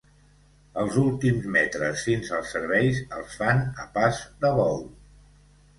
Els últims metres fins als serveis els fan a pas de bou.